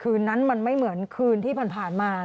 คืนนั้นมันไม่เหมือนคืนที่มันผ่านมานะครับ